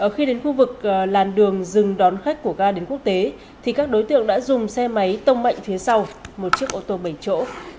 khi đến khu vực làn đường dừng đón khách của ga đến quốc tế thì các đối tượng đã dùng xe máy tông mạnh phía sau một chiếc ô tô bảy chỗ